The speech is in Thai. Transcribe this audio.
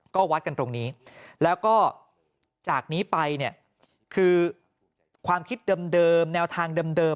ก็วัดกันตรงนี้แล้วก็จากนี้ไปเนี่ยคือความคิดเดิมแนวทางเดิม